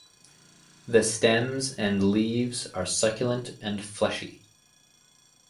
The stems and leaves are succulent and fleshy.